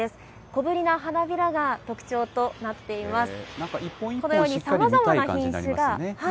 小ぶりな花びらが特徴となっています。